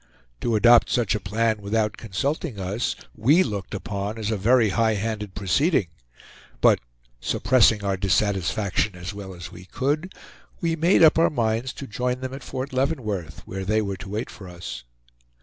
To adopt such a plan without consulting us, we looked upon as a very high handed proceeding; but suppressing our dissatisfaction as well as we could, we made up our minds to join them at Fort Leavenworth, where they were to wait for us.